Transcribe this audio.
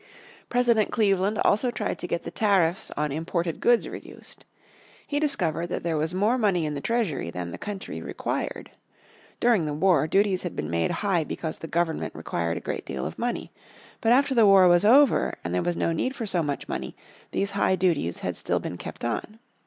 President Cleveland also tried to get the tariffs on imported goods reduced. He discovered that there was more money in the treasury than the country required. During the war, duties had been made high because the Government required a great deal of money. But after the war was over, and there was no need for so much money these high duties had still been kept on.